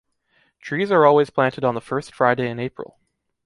Trees are always planted on the first Friday in April.